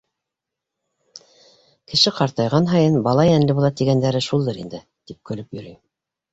— Кеше ҡартайған һайын бала йәнле була тигәндәре шулдыр инде, — тип көлөп йөрөй.